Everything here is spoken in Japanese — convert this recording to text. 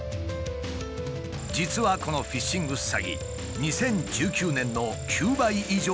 実はこのフィッシング詐欺２０１９年の９倍以上に急増している。